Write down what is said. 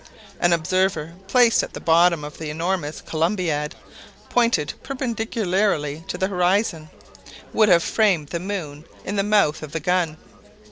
An observer placed at the bottom of the enormous Columbiad, pointed perpendicularly to the horizon, would have framed the moon in the mouth of the gun.